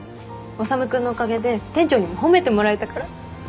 修君のおかげで店長にも褒めてもらえたから。